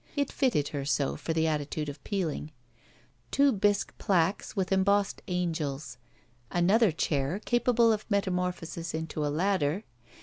(It fitted her so for the attitude of peeling.) Two bisque plaques, with embossed angels. Another chair capable of meta morphosis into a ladder.